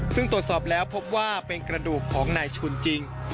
ซึ่งตรวจสอบแล้วพบว่าเป็นกระดูกของนายชุนจริง